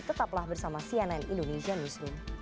tetaplah bersama cnn indonesia newsroom